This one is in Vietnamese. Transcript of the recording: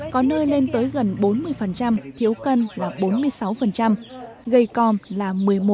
có nơi lên tới gần bốn mươi thiếu cân là bốn mươi sáu gây com là một mươi một